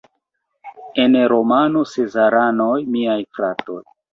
En la romano Sezaranoj miaj fratoj!